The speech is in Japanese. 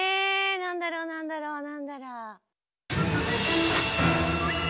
なんだろうなんだろうなんだろう？